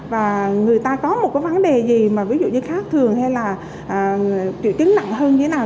và người ta có một cái vấn đề gì mà ví dụ như khác thường hay là triệu chứng nặng hơn như thế nào